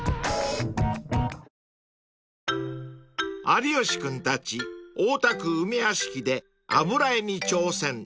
［有吉君たち大田区梅屋敷で油絵に挑戦］